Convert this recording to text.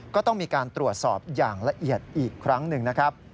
ก็ต้องมีการตรวจสอบอย่างละเอียดอีกครั้งหนึ่งนะครับ